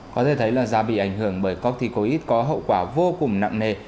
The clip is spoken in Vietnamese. có thể thấy là da bị ảnh hưởng bởi corticoid có hậu quả vô cùng nặng nề